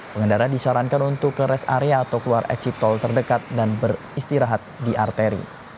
pengendara disarankan untuk ke rest area atau keluar exit tol terdekat dan beristirahat di arteri